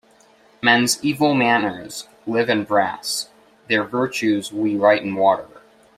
Men's evil manners live in brass; their virtues we write in water